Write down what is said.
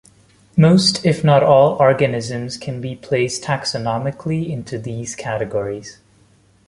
Most, if not all organisms can be placed taxonomically into these categories.